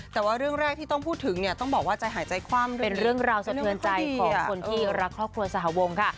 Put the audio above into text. แต่ว่าเรื่องแรกที่ต้องพูดถึงเนี่ยต้องบอกว่าใจหายใจคว่ำเป็นเรื่องราวสะเทือนใจของคนที่รักครอบครัวสหวงค่ะ